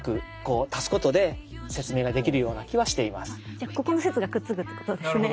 じゃあここの説がくっつくってことですね。